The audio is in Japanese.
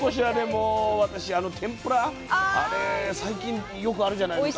もう私あの天ぷらあれ最近よくあるじゃないですか。